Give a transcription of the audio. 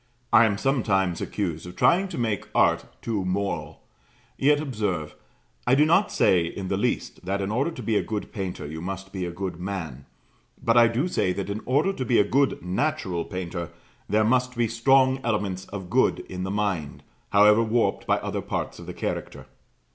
'" I am sometimes accused of trying to make art too moral; yet, observe, I do not say in the least that in order to be a good painter you must be a good man; but I do say that in order to be a good natural painter there must be strong elements of good in the mind, however warped by other parts of the character.